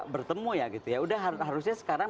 bertemu ya harusnya sekarang